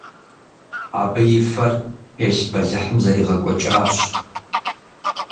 Абы и фэр телъ бэлыхьым зэригъэкӏуэкӏащ.